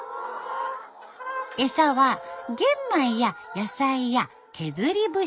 餌は玄米や野菜や削り節。